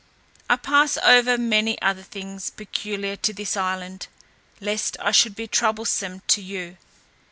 I pass over many other things peculiar to this island, lest I should be troublesome to you.